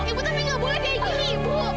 ibu tapi gak boleh kayak gini ibu